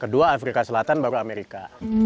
kedua afrika selatan baru amerika